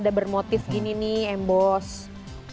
ada bermotif gini nih embos